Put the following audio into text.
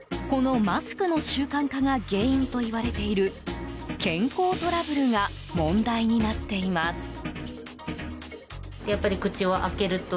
このマスクの習慣化が原因といわれている健康トラブルが問題になっています。